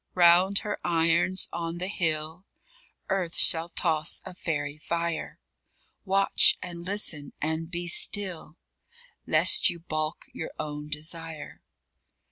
_Round her irons, on the hill, Earth shall toss a fairy fire. Watch and listen and be still, Lest you baulk your own desire.